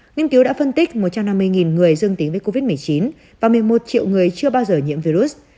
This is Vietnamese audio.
nghiên cứu đã phân tích một trăm năm mươi người dương tính với covid một mươi chín và một mươi một triệu người chưa bao giờ nhiễm virus